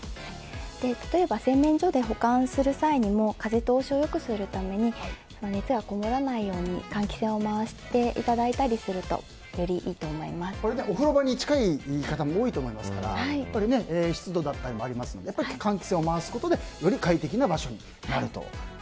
例えば、洗面所で保管する際にも風通しを良くするために熱がこもらないように換気扇を回していただいたりするとお風呂場に近い方も多いと思いますから湿度がということもありますので換気扇を回すことでより快適な場所になると。